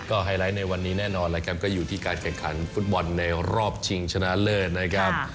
ก็ไฮไลท์ในวันนี้แน่นอนแล้วครับก็อยู่ที่การแข่งขันฟุตบอลในรอบชิงชนะเลิศนะครับ